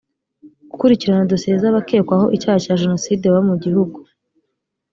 gukurikirana dosiye z’abakekwaho icyaha cya jenoside baba mu gihugu